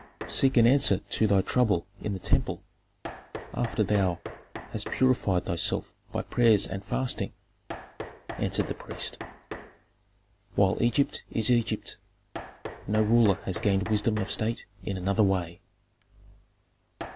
"Seek an answer to thy trouble in the temple, after thou hast purified thyself by prayers and fasting," answered the priest. "While Egypt is Egypt, no ruler has gained wisdom of state in another way."